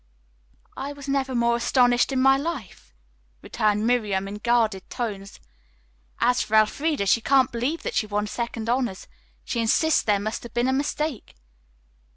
"I was never more astonished in my life," returned Miriam, in guarded tones. "As for Elfreda, she can't believe that she won second honors. She insists there must have been a mistake."